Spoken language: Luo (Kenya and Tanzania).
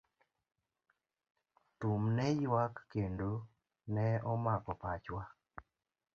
Thum ne yuak kendo ne omako pachwa.